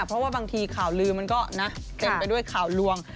เพราะว่าบางทีข่าวลือมันก็นะเต็มไปด้วยข่าวลวง